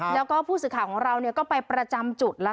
แล้วก็ผู้สื่อข่าวของเราก็ไปประจำจุดแล้ว